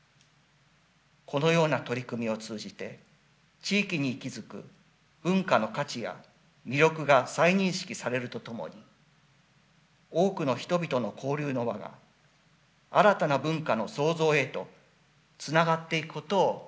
このような取組を通じて地域に息づく文化の価値や魅力が再認識されるとともに多くの人々の交流の輪が新たな文化の創造へとつながっていくことを期待しています。